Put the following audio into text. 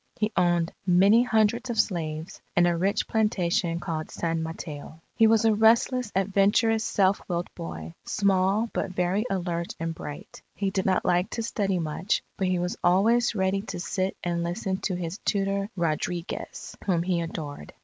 He owned many hundreds of slaves and a rich plantation called San Mateo. He was a restless, adventurous, self willed boy, small but very alert and bright. He did not like to study much; but he was always ready to sit and listen to his tutor Rodriguez, whom he adored.